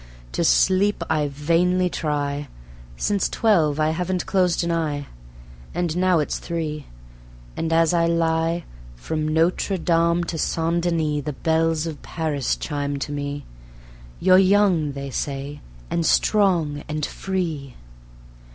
to sleep I vainly try; Since twelve I haven't closed an eye, And now it's three, and as I lie, From Notre Dame to St. Denis The bells of Paris chime to me; "You're young," they say, "and strong and free."